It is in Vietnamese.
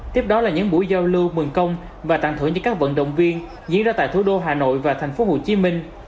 tiếp đó là những buổi giao lưu mường công và tặng thưởng cho các vận động viên diễn ra tại thủ đô hà nội và thành phố hồ chí minh